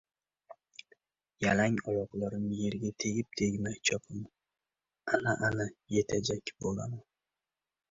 Yalang oyoqlarim yerga tegib-tegmay chopaman. Ana-ana yetajak bo‘laman.